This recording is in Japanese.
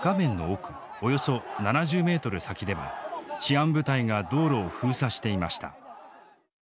およそ７０ｍ先では治安部隊が道路を封鎖していました。